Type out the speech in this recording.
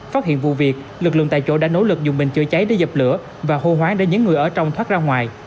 phát hiện vụ việc lực lượng tại chỗ đã nỗ lực dùng bình chữa cháy để dập lửa và hô hoáng để những người ở trong thoát ra ngoài